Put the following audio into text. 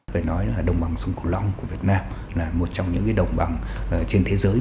phải nói là đồng bằng sông cửu long của việt nam là một trong những đồng bằng trên thế giới